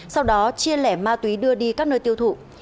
sau đó chia lẻ ma túy đưa đi các nơi tiêu thụ